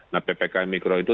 nah ppkm mikro itu